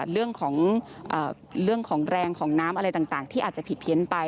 เรื่องของเรื่องของแรงของน้ำอะไรต่างที่อาจจะผิดเพี้ยนไป